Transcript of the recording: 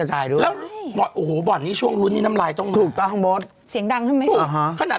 ใช่ถูกอย่างน้อยมีก็นว่าป๊อกค่ะมันเสี่ยงดังน่ะอะไรนะ